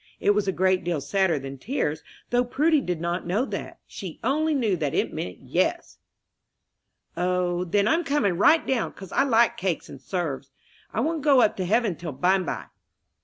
It was a great deal sadder than tears, though Prudy did not know that she only knew that it meant "yes." "O, then I'm coming right down, 'cause I like cake and 'serves. I won't go up to heaven till bime by!"